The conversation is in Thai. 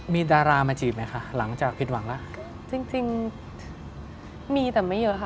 มีดารามาจีบไหมคะหลังจากผิดหวังแล้วจริงจริงมีแต่ไม่เยอะค่ะ